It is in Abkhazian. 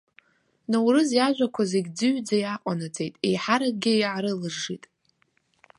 Ноурыз иажәақәа зегь ӡыҩӡа иааҟанаҵеит, еиҳаракгьы иаарылыжжит.